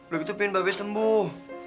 luki tuh pingin mbak be sembuh